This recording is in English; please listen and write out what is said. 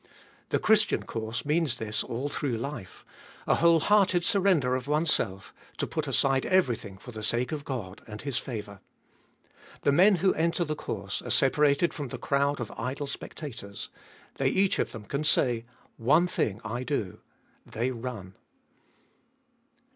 The Christian course means this all through life : a whole hearted surrender of oneself, to put aside everything for the sake of God and His favour. The men who enter the course are separated from the crowd of idle spectators : they each of them can say, One thing I do — they run.